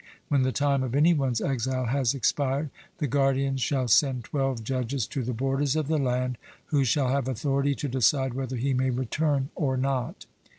When the time of any one's exile has expired, the guardians shall send twelve judges to the borders of the land, who shall have authority to decide whether he may return or not.